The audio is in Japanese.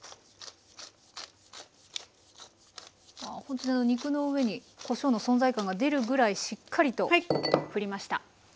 ほんとに肉の上にこしょうの存在感が出るぐらいしっかりとふりました。